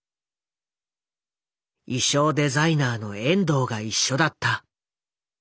衣装デザイナーの遠藤が一緒だった。